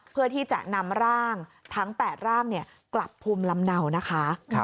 เพื่อที่จะนำร่างทั้ง๘ร่างกลับภูมิลำเนานะคะ